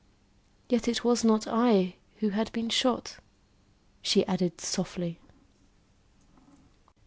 "Yet it was not I who had been shot," she added softly.